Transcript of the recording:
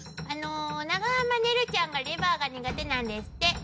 あの長濱ねるちゃんがレバーが苦手なんですって。